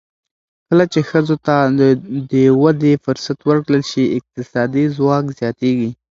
کله چې ښځو ته د ودې فرصت ورکړل شي، اقتصادي ځواک زیاتېږي.